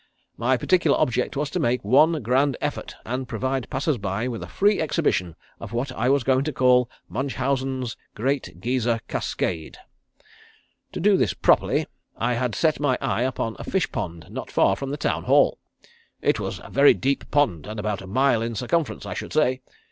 My particular object was to make one grand effort and provide passers by with a free exhibition of what I was going to call 'Munchausen's Grand Geyser Cascade.' To do this properly I had set my eye upon a fish pond not far from the town hall. It was a very deep pond and about a mile in circumference, I should say.